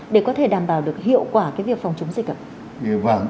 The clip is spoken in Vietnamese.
để có thể đảm bảo được hiệu quả cái việc phòng chống dịch ạ